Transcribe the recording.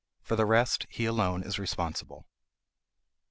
For the rest he alone is responsible.